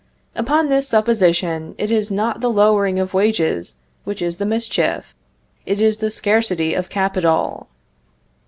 Upon this supposition, it is not the lowering of wages which is the mischief, it is the scarcity of capital.